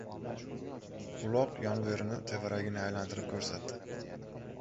Uloq yonverini, tevaragini aylantirib ko‘rsatdi.